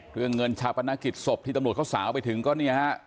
เรื่องเงินชาปนกิจศพที่ตำรวจเขาสาวไปถึงก็เนี่ยฮะ